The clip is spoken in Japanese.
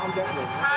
はい。